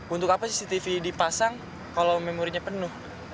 untuk apa cctv dipasang kalau memorinya penuh